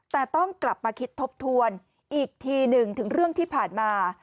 แต่ต้องกลับมาคิดทบทวนอีกทีหนึ่งถึงเรื่องที่ผ่านมา